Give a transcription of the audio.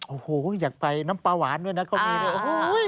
โอ้โหอยากไปน้ำปลาหวานด้วยนะก็มีเลยโอ้โห